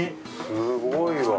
すごいわ。